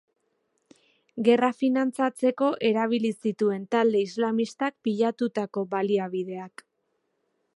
Gerra finantzatzeko erabili zituen talde islamistak pilatutako baliabideak.